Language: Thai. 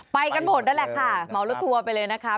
ไปกันหมดนั่นแหละค่ะเหมารถทัวร์ไปเลยนะคะ